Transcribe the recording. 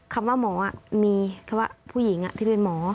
คำว่าหมอมีเพราะว่าผู้หญิงที่เป็นหมอ